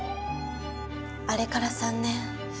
あれから３年。